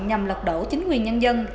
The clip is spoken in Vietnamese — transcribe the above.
nhằm lật đổ chính quyền nhân dân